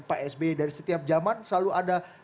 pak sby dari setiap zaman selalu ada